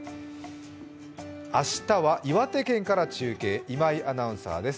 明日は岩手県から中継、今井アナウンサーです。